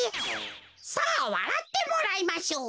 さあわらってもらいましょう。